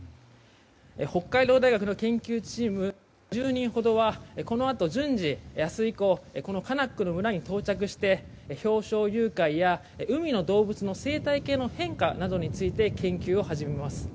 北海道大学の研究チーム１０人ほどはこのあと、順次明日以降カナックの村に到着して氷床融解や海の動物の生態系の変化などについて研究を始めます。